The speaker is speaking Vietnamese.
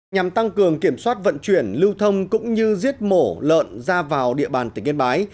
nhằm tăng cường kiểm soát vận chuyển lưu thông cũng như giết mổ lợn ra vào địa bàn tỉnh yên bái